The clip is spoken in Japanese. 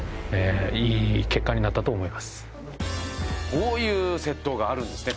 こういう窃盗があるんですね。